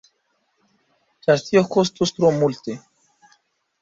Ĉar tio kostus tro multe.